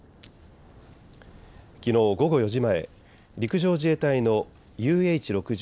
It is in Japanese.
きのう午後４時前、陸上自衛隊のＵＨ６０